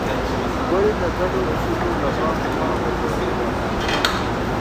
ولې د ګډو اصولو له پامه مه غورځوې؟